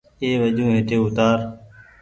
اي وجون هيٽي اوتآر ۔